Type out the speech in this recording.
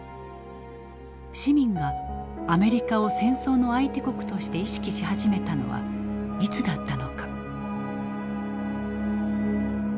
市民がアメリカを戦争の相手国として意識し始めたのはいつだったのか。